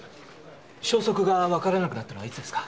消息がわからなくなったのはいつですか？